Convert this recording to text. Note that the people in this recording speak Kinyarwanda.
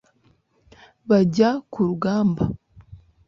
bajya ku rugamba